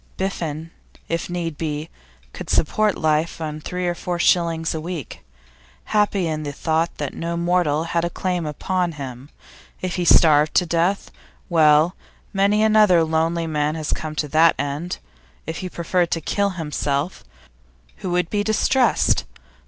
Biffen, if need be, could support life on three or four shillings a week, happy in the thought that no mortal had a claim upon him. If he starved to death well, many another lonely man has come to that end. If he preferred to kill himself, who would be distressed?